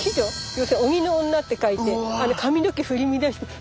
要するに鬼の女って書いて髪の毛振り乱して。